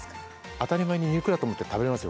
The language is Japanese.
当たり前に肉だと思って食べれますよ。